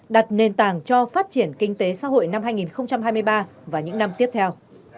đặt nền tảng cho phát triển kinh tế xã hội năm hai nghìn hai mươi ba và những năm tiếp theo